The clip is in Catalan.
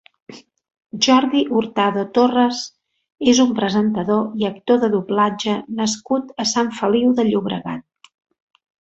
Jordi Hurtado Torres és un presentador i actor de doblatge nascut a Sant Feliu de Llobregat.